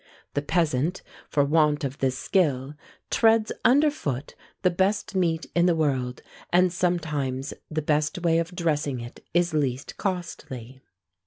The peasant, for want of this skill, treads under foot the best meat in the world; and sometimes the best way of dressing it is least costly.